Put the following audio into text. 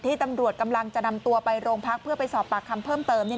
ตำรวจกำลังจะนำตัวไปโรงพักเพื่อไปสอบปากคำเพิ่มเติม